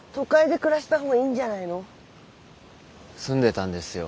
住んでたんですよ